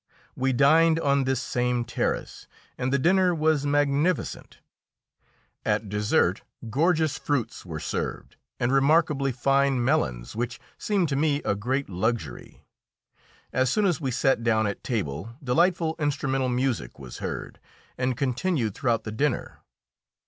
We dined on this same terrace, and the dinner was magnificent; at dessert gorgeous fruits were served, and remarkably fine melons, which seemed to me a great luxury. As soon as we sat down at table delightful instrumental music was heard, and continued throughout the dinner.